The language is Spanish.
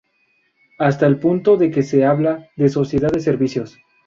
Hasta el punto de que se habla de sociedad de servicios.